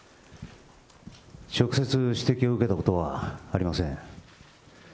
直接指摘を受けたことはありません。